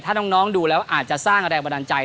ถ้าน้องดูแล้วอาจจะสร้างแรงบันดาลใจ